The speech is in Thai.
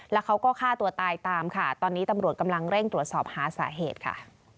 แล้วเขาก็ฆ่าตัวตายตามค่ะตอนนี้ตำรวจกำลังเร่งตรวจสอบหาสาเหตุค่ะ